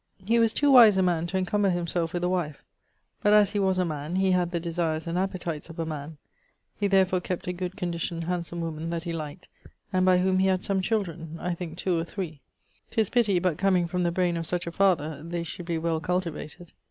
He was too wise a man to encomber himselfe with a wife; but as he was a man, he had the desires and appetites of a man; he therefore kept a good conditioned hansome woman that he liked, and by whom he had some children (I thinke 2 or 3). 'Tis pity but comeing from the braine of such a father, they should be well cultivated.